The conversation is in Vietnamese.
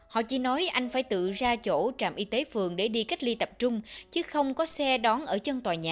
họ chỉ nói anh phải tự ra chỗ trạm y tế phường để đi cách ly tập trung chứ không có xe đón ở chân tòa nhà